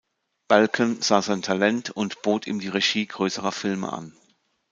Balcon sah sein Talent und bot ihm die Regie größerer Filme an.